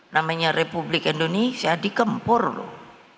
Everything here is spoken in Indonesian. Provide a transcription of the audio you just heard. namanya republik indonesia dikempur loh